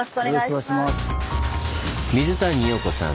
水谷容子さん。